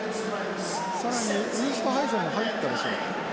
さらにウーストハイゼンも入ったでしょうか。